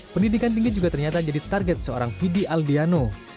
pendidikan tinggi juga ternyata jadi target seorang fidi aldiano